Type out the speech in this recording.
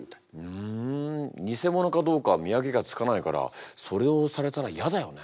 ふん偽ものかどうか見分けがつかないからそれをされたら嫌だよね。